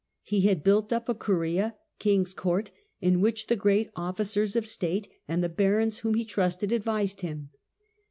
He had built up a Cun'a (king's court), in which the great officers of state and the barons whom he trusted advised him.